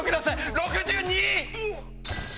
６２！